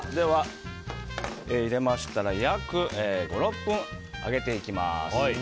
入れましたら約５６分揚げていきます。